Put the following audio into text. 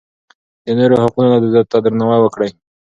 د نورو حقونو ته درناوی وکړئ.